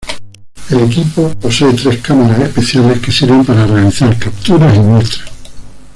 El equipo posee tres cámaras especiales que sirven para realizar capturas y muestras.